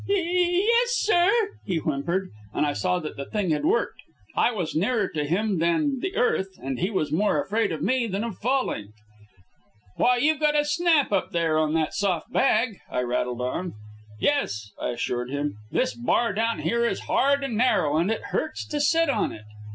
"Ye ye yes, sir," he whimpered, and I saw that the thing had worked. I was nearer to him than the earth, and he was more afraid of me than of falling. "'Why, you've got a snap up there on that soft bag," I rattled on. "Yes," I assured him, "this bar down here is hard and narrow, and it hurts to sit on it."